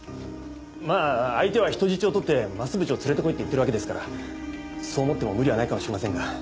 まあ相手は人質を取って増渕を連れて来いって言ってるわけですからそう思っても無理はないかもしれませんが。